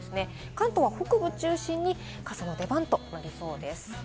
関東は北部を中心に傘の出番となりそうです。